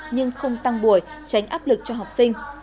nhưng không tăng buổi tránh áp lực cho học sinh